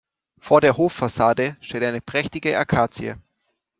Vor der Hoffassade steht eine prächtige Akazie.